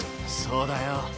そうだよ。